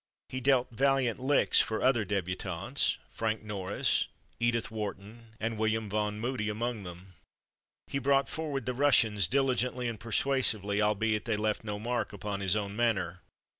He dealt valiant licks for other débutantes: Frank Norris, Edith Wharton and William Vaughn Moody among them. He brought forward the Russians diligently and persuasively, albeit they left no mark upon his own manner.